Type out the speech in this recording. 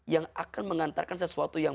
yang akan mengantarkan sesuatu yang